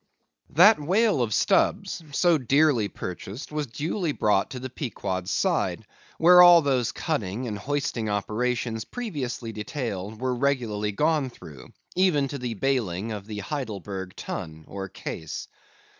That whale of Stubb's, so dearly purchased, was duly brought to the Pequod's side, where all those cutting and hoisting operations previously detailed, were regularly gone through, even to the baling of the Heidelburgh Tun, or Case.